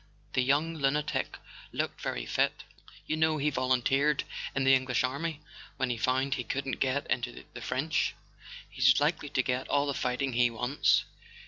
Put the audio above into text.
The young lunatic looked very fit. You know he volunteered in the Eng¬ lish army when he found he couldn't get into the French. He's likely to get all the fighting he wants."